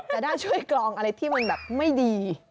จะได้ช่วยกรองอะไรที่มันแบบไม่ดี